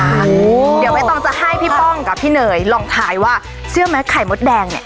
เดี๋ยวใบตองจะให้พี่ป้องกับพี่เนยลองทายว่าเชื่อไหมไข่มดแดงเนี่ย